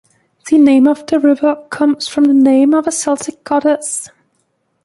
The name of the river comes from the name of a Celtic goddess.